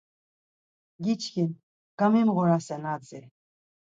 Giçkin, gamimğorasen, hatzi…